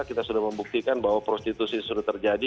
kita sudah membuktikan bahwa prostitusi sudah terjadi